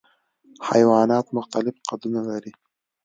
حیوانات مختلف قدونه لري.